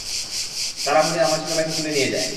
তারা ভুলে আমার ছোটভাইকে তুলে নিয়ে যায়।